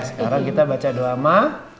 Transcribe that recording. sekarang kita baca doa sama